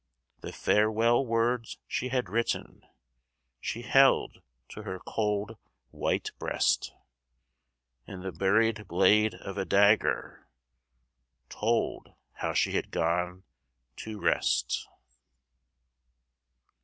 The farewell words she had written She held to her cold, white breast, And the buried blade of a dagger Told how she had gone to rest.